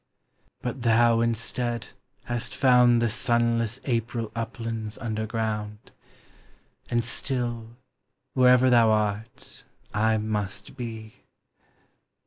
But thou, instead, hast found The sunless April uplands underground, And still, wherever thou art, I must be.